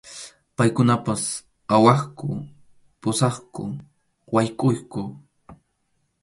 Paykunapas awaqku, puskaqku, waykʼuqku.